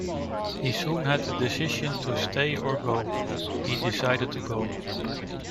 He soon had the decision to stay or go, he decided to go.